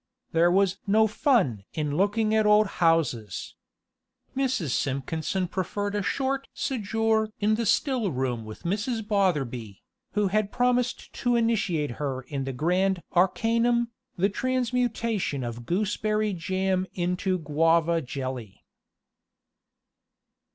"There was 'no fun' in looking at old houses!" Mrs. Simpkinson preferred a short séjour in the still room with Mrs. Botherby, who had promised to initiate her in that grand arcanum, the transmutation of gooseberry jam into Guava jelly.